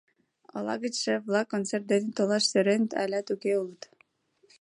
Ола гыч шеф-влак концерт дене толаш сӧреныт, алят уке улыт.